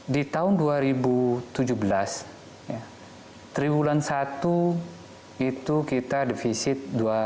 di tahun dua ribu tujuh belas triwulan satu itu kita defisit